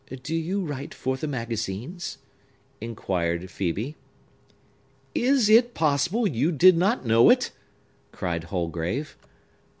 "Do you write for the magazines?" inquired Phœbe. "Is it possible you did not know it?" cried Holgrave.